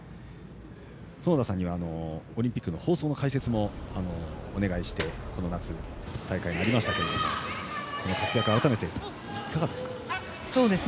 園田さんにはオリンピックの放送の解説もお願いしたこの夏の大会になりましたがその活躍、改めていかがですか？